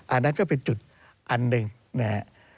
อันนั้นก็เป็นจุดอันหนึ่งนะครับ